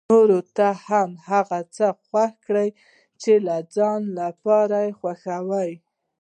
نورو ته هم هغه څه خوښ کړي چې د ځان لپاره يې خوښوي.